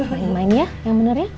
main main ya yang bener ya